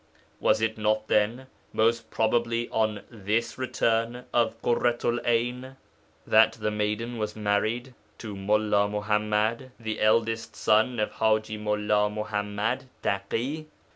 Was it not, then, most probably on this return of Ḳurratu'l 'Ayn that the maiden was married to Mullā Muḥammad, the eldest son of Haji Mullā Muḥammad Taḳi.